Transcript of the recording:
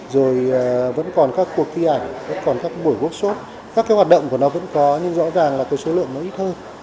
rồi vẫn còn các cuộc thi ảnh vẫn còn các buổi quốc xuất các hoạt động của nó vẫn có nhưng rõ ràng là số lượng nó ít hơn